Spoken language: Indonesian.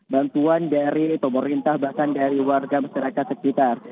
bantuan dari pemerintah bahkan dari warga masyarakat sekitar